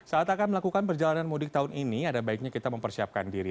saat akan melakukan perjalanan mudik tahun ini ada baiknya kita mempersiapkan diri